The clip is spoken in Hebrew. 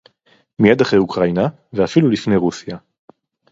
מייד אחרי אוקראינה ואפילו לפני רוסיה